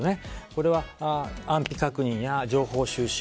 これは安否確認や情報収集